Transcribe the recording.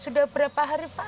sudah berapa hari pak